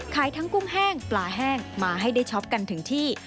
ทั้งกุ้งแห้งปลาแห้งมาให้ได้ช็อปกันถึงที่